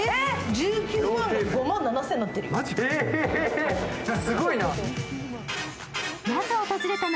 １９万が５万７０００円になってるよ。